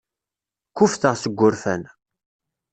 Kkuffteɣ seg wurfan.